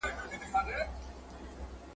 ښکاري کوتري ..